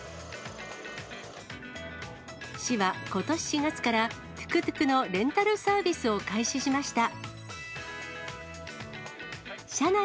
市はことし４月から、トゥクトゥクのレンタルサービスを開始しました。